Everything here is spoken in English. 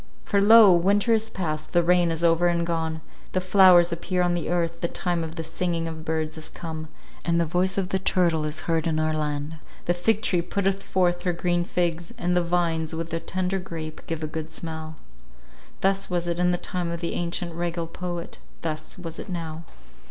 "For lo! winter is past, the rain is over and gone; the flowers appear on the earth, the time of the singing of birds is come, and the voice of the turtle is heard in our land; the fig tree putteth forth her green figs, and the vines, with the tender grape, give a good smell." Thus was it in the time of the ancient regal poet; thus was it now.